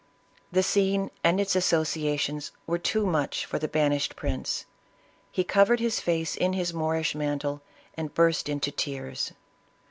The scene and its •associations were too much for the banished prince. He covered his face in his Moorish mantle, and burst into tears.